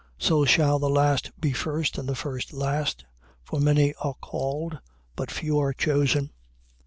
So shall the last be first and the first last. For many are called but few chosen. 20:17.